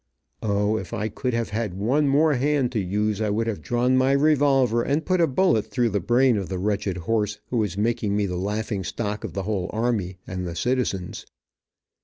O, if I could have had one more hand to use, I would have drawn my revolver and put a bullet through the brain of the wretched horse, who was making me the laughing stock of the whole army, and the citizens.